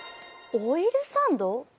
オイルサンド？